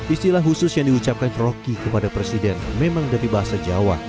istilah khusus yang diucapkan roky kepada presiden memang dari bahasa jawa